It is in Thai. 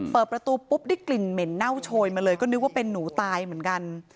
เปิดประตูปุ๊บได้กลิ่นเหม็นเน่าโชยมาเลยก็นึกว่าเป็นหนูตายเหมือนกัน